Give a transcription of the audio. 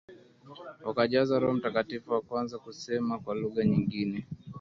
wakajazwa na Roho Mtakatifu wakaanza kusema kwa lugha nyingine